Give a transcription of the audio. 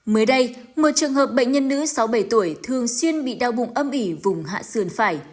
mới đây một trường hợp bệnh nhân nữ sáu mươi bảy tuổi thường xuyên bị đau bụng âm ỉ vùng hạ sườn phải